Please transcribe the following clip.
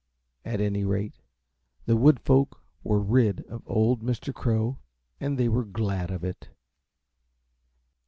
At any rate, the wood folk were rid of old Mr. Crow, and they were glad of it.